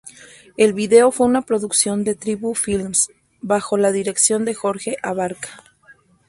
El video fue una producción de Tribu Films bajo la dirección de Jorge Abarca.